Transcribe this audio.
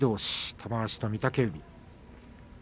玉鷲と御嶽海。